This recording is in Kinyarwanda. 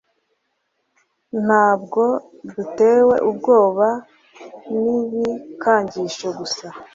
nabwo dutewe ubwoba n’ibikangisho gusa